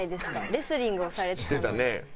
レスリングをされてたので。